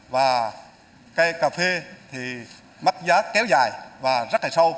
và cây cà phê thì mất giá kéo dài và rất là sâu